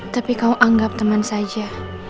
tapi kau anggap teman saja